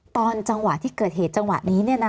ตอนจังหวะที่เกิดเหตุจังหวะนี้